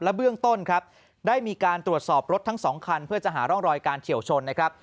เบื้องต้นครับได้มีการตรวจสอบรถทั้งสองคันเพื่อจะหาร่องรอยการเฉียวชนนะครับ